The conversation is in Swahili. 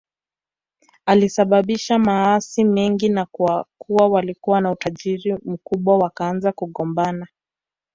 Alisababisha maasi mengi na kwa kuwa walikuwa na utajiri mkubwa wakaanza kugombana